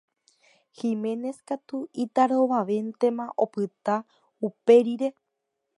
Giménez katu itarovavéntema opyta uperire.